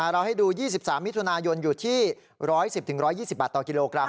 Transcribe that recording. เราให้ดู๒๓มิถุนายนอยู่ที่๑๑๐๑๒๐บาทต่อกิโลกรัม